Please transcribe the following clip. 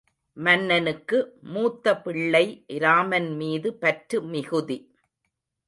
மன்னனுக்கு மூத்த பிள்ளை இராமன் மீது பற்று மிகுதி.